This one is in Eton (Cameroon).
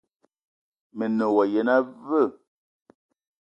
Me ne wa yene aveu?